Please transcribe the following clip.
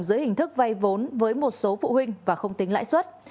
dưới hình thức vay vốn với một số phụ huynh và không tính lãi suất